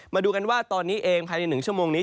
มาดูกันว่าตอนนี้เองภายใน๑ชั่วโมงนี้